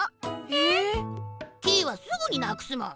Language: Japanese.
えっ！？キイはすぐになくすもん！